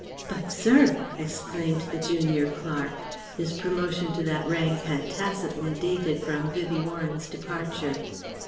"But, sir!..." exclaimed the junior clerk (his promotion to that rank had tacitly dated from Vivie Warren's departure).